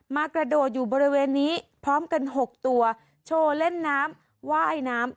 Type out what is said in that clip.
กระโดดอยู่บริเวณนี้พร้อมกัน๖ตัวโชว์เล่นน้ำว่ายน้ำ